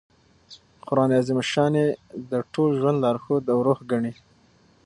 قران عظیم الشان ئې د ټول ژوند لارښود او روح ګڼي.